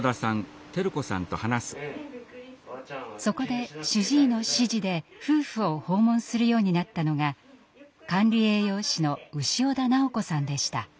そこで主治医の指示で夫婦を訪問するようになったのが管理栄養士の潮田直子さんでした。